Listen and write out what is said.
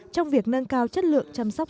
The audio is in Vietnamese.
trong việc nâng cao chất lượng chăm sóc